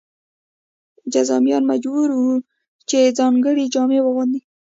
جذامیان مجبور وو چې ځانګړې جامې واغوندي.